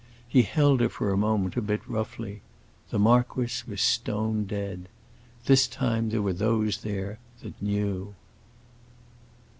He held her for a moment a bit roughly. The marquis was stone dead! This time there were those there that knew."